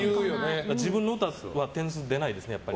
自分の歌は点数出ないですね、やっぱり。